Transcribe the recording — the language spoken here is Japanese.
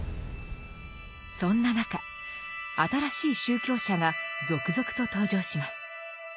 そんな中新しい宗教者が続々と登場します。